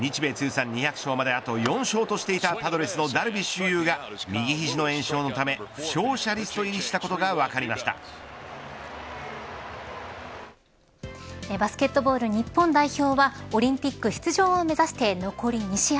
日米通算２００勝まであと４勝としていたパドレスのダルビッシュ有が右肘の炎症のため負傷者リスト入りしたことがバスケットボール日本代表はオリンピック出場を目指して残り２試合。